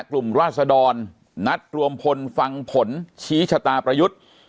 ราศดรนัดรวมพลฟังผลชี้ชะตาประยุทธ์